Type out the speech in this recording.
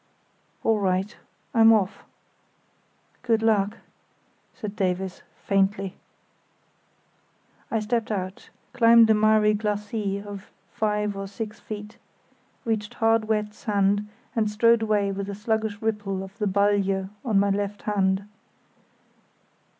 "All right. I'm off." "Good luck," said Davies, faintly. I stepped out, climbed a miry glacis of five or six feet, reached hard wet sand, and strode away with the sluggish ripple of the Balje on my left hand.